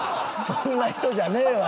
そんな人じゃねえわ。